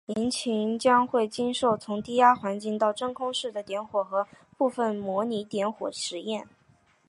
引擎将会经受从低压环境到真空室的点火和部分模拟点火实验。